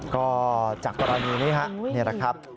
ก็จากกรณีนี้นะครับ